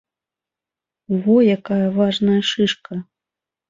Во якая важная шышка!